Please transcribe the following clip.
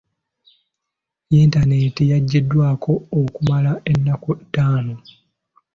Yintaneeti yaggiddwako okumala ennaku ttaano.